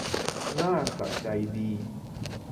หน้าสะใจดี